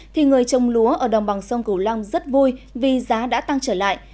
thì người trồng lúa ở đồng bằng sông cửu long rất vui vì giá đã tăng trở lại